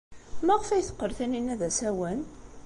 Maɣef ay teqqel Taninna d asawen?